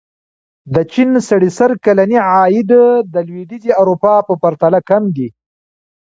د چین سړي سر کلنی عاید د لوېدیځې اروپا په پرتله کم دی.